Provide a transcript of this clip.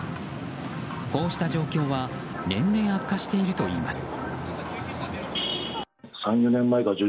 こうした状況は年々、悪化しているといいます。